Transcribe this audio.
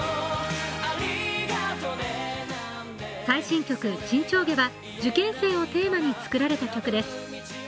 最新曲「沈丁花」は受験生をテーマに作られた曲です。